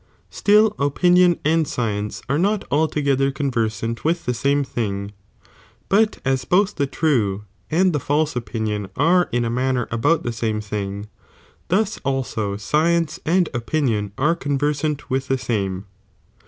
' Still opinion and science are not altogether converBant wMi the same thing, but as both the true B,tid the false opinion an in a manner ahout the same thing, thus also science and opinion are conversant with the same.'